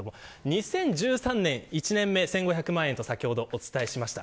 ２０１３年、１年目１５００万円とお伝えしました。